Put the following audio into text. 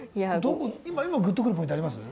今グッとくるポイントあります？